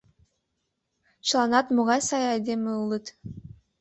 Чыланат могай сай айдеме улыт.